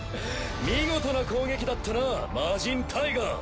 見事な攻撃だったな魔神タイガー。